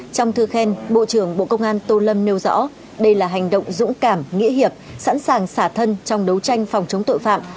trong thư khen bộ trưởng bộ công an tô lâm nêu rõ đây là hành động dũng cảm nghĩa hiệp sẵn sàng xả thân trong đấu tranh phòng chống tội phạm